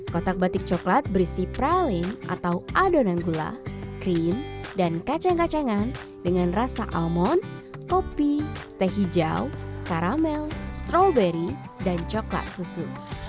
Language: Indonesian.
kotak batik coklat berisi praling atau adonan gula krim dan kacang kacangan dengan rasa almond kopi teh hijau karamel strawberry dan coklat susu